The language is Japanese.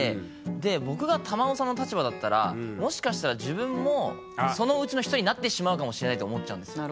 で僕が瑶生さんの立場だったらもしかしたら自分もそのうちの一人になってしまうかもしれないと思っちゃうんですよ。